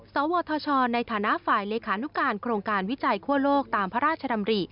สวทชในฐานะฝ่ายเลขานุการโครงการวิจัยคั่วโลกตามพระราชดำริ